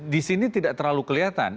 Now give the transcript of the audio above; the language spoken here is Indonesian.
di sini tidak terlalu kelihatan